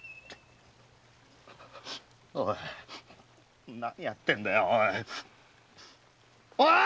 おい何やってんだよおい。